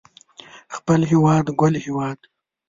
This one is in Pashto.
خپل هيواد ګل هيواد